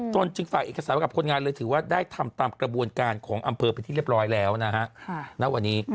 จึงฝากเอกสารกับคนงานเลยถือว่าได้ทำตามกระบวนการของอำเภอเป็นที่เรียบร้อยแล้วนะฮะณวันนี้